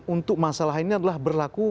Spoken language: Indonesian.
untuk masalah ini adalah berlaku